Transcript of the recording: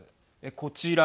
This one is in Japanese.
こちら。